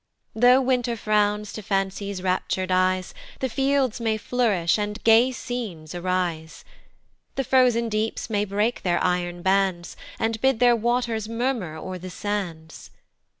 Though Winter frowns to Fancy's raptur'd eyes The fields may flourish, and gay scenes arise; The frozen deeps may break their iron bands, And bid their waters murmur o'er the sands.